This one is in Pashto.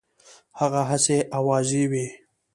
هغه هسي آوازې وي.